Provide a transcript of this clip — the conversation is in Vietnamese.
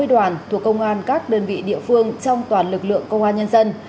đến từ sáu mươi đoàn thuộc công an các đơn vị địa phương trong toàn lực lượng công an nhân dân